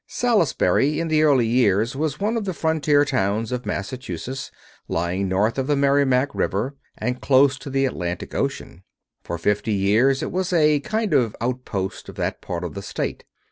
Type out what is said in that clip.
Salisbury, in the early day, was one of the frontier towns of Massachusetts, lying north of the Merrimac River, and close to the Atlantic Ocean. For fifty years it was a kind of outpost of that part of the State.